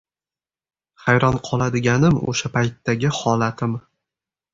Hayron qoladiganim o‘sha paytdagi holatim.